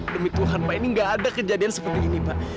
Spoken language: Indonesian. demi tuhan pak ini gak ada kejadian seperti ini pak